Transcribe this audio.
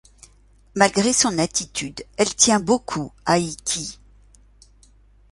Malgré son attitude, elle tient beaucoup à Ikki.